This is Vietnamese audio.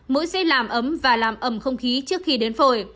mũi sẽ làm ấm và làm ấm không khí trước khi đến phổi